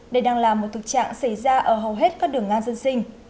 đây đang là một thực trạng xảy ra ở hầu hết các đường ngang dân sinh